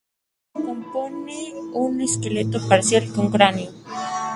Se compone de un esqueleto parcial con el cráneo.